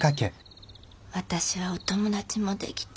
「私はお友達もできて」。